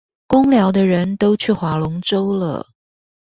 工寮的人都去划龍舟了